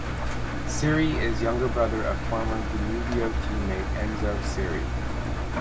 Siri is younger brother of former Danubio teammate Enzo Siri.